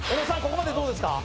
ここまでどうですか？